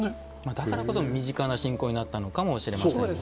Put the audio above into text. だからこそ身近な信仰になったのかもしれませんね。